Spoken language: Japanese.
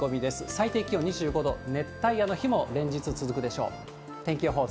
最低気温２５度、熱帯夜の日も連日続くでしょう。